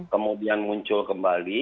kemudian muncul kembali